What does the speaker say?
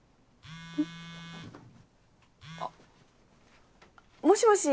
あっもしもし？